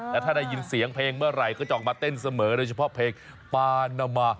และถ้าได้ยินเสียงเพลงเมื่อไหร่ก็จะออกมาเต้นเสมอโดยเฉพาะเพลงปานามา